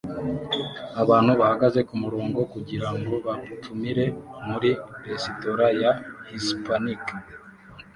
Abantu bahagaze kumurongo kugirango batumire muri resitora ya Hispanic